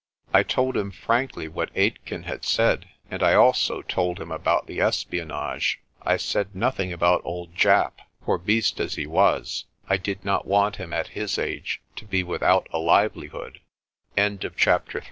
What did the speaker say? I told him frankly what Aitken had said, and I also told him about the espionage. I said nothing about old Japp, for, beast as he was, I did not want him at his age to be without a li